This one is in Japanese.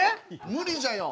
無理じゃよ。